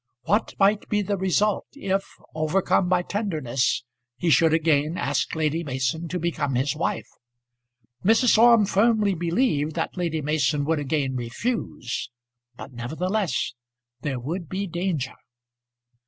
What might be the result, if, overcome by tenderness, he should again ask Lady Mason to become his wife? Mrs. Orme firmly believed that Lady Mason would again refuse; but, nevertheless, there would be danger.